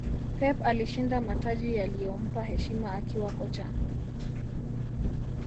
Pep alishinda mataji yaliyompa heshima akiwa kocha